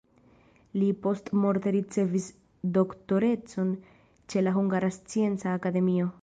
Li postmorte ricevis doktorecon ĉe la Hungara Scienca Akademio.